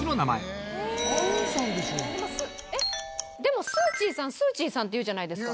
ピンポンでも「スーチーさんスーチーさん」って言うじゃないですか。